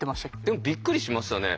でもびっくりしましたね。